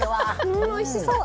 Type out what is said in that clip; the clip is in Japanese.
うんおいしそう！